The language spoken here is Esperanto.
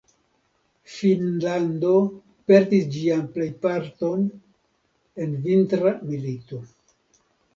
Finnlando perdis ĝian plejparton en Vintra milito.